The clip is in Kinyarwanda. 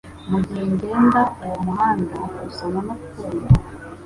Mugihe ngenda uwo muhanda gusoma no kumva